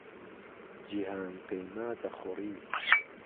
جیهانپهیما دهخوڕی